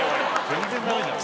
全然ダメじゃん